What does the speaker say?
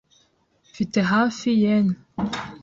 Mfite hafi yen .